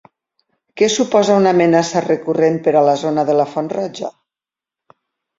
Què suposa una amenaça recurrent per a la zona de la Font Roja?